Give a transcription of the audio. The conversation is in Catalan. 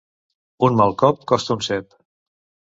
Un mal cop costa un cep.